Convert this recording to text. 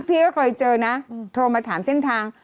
พี่ก็เคยเจอนะโทรมาถามเส้นทาง